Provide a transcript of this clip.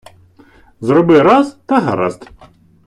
Зроби раз, та гаразд!